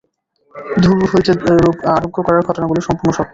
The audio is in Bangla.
দূর হইতে রোগ আরোগ্য করার ঘটনাগুলি সম্পূর্ণ সত্য।